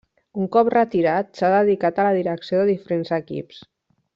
Un cop retirat, s'ha dedicat a la direcció de diferents equips.